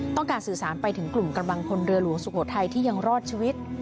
ต้องการสื่อสารไปถึงกลุ่มกำลังพลเรือหลวงสุโขทัยที่ยังรอดชีวิต